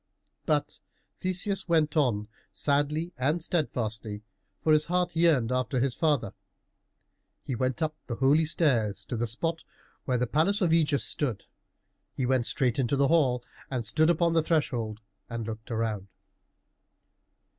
But Theseus went on sadly and steadfastly, for his heart yearned after his father. He went up the holy stairs to the spot where the palace of Ægeus stood. He went straight into the hall and stood upon the threshold and looked round.